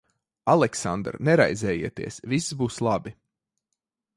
Aleksandr, neraizējieties. Viss būs labi.